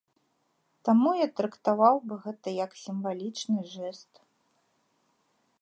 Таму я трактаваў бы гэта як сімвалічны жэст.